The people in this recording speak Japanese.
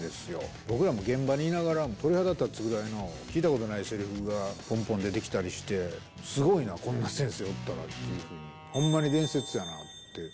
僕らも現場にいながら、鳥肌立つぐらいの、聞いたことないせりふが、ぽんぽん出てきたりして、すごいな、こんな先生おったらっていうふうに、ほんまに伝説やなって。